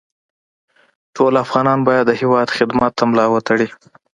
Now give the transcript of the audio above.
ټول افغانان باید د هېواد خدمت ته ملا وتړي